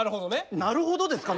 なるほどですかね？